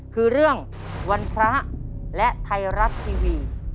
คือเรื่องวันพระและไทยรัฐทีวี